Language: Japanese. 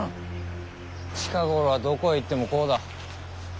近頃はどこへ行ってもこうだ。